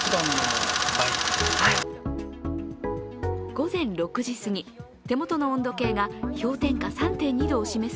午前６時すぎ、手元の温度計が氷点下３．２度を示す